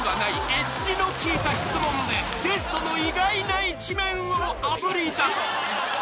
エッジの効いた質問でゲストの意外な一面をあぶり出す］